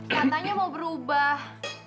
katanya mau berubah